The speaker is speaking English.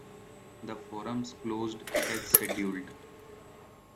The forums closed as scheduled.